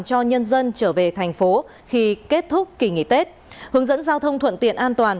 cho nhân dân trở về thành phố khi kết thúc kỳ nghỉ tết hướng dẫn giao thông thuận tiện an toàn